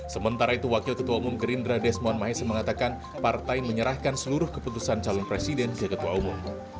sementara itu wakil ketua umum gerindra desmond mahesa mengatakan partai menyerahkan seluruh keputusan calon presiden ke ketua umum